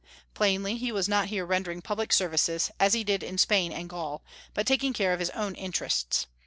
Plainly he was not here rendering public services, as he did in Spain and Gaul, but taking care of his own interests.